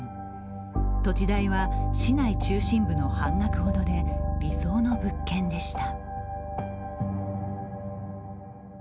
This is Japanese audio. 土地代は市内中心部の半額ほどで理想の物件でした。